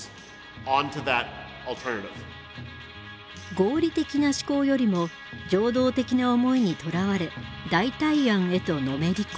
合理的な思考よりも情動的な思いにとらわれ代替案へとのめり込む。